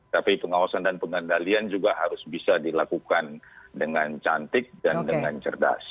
tapi pengawasan dan pengendalian juga harus bisa dilakukan dengan cantik dan dengan cerdas